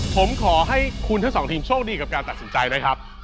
ผมขอให้คุณทั้งสองทีมโชคดีกับการตัดสินใจนะครับ